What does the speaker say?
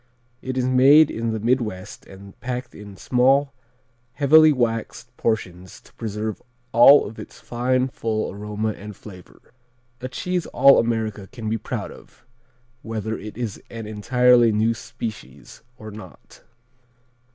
It is made in the Midwest and packed in small, heavily waxed portions to preserve all of its fine, full aroma and flavor. A cheese all America can be proud of, whether it is an entirely new species or not.